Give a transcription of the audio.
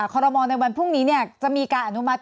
คอรมอลในวันพรุ่งนี้จะมีการอนุมัติ